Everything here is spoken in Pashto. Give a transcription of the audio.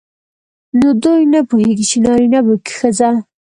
نو دوی نه پوهیږي چې نارینه به وي که ښځه.